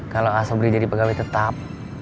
kalau asomri jadi pegawai tetap